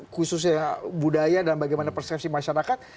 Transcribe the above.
khususnya budaya dan bagaimana persepsi masyarakat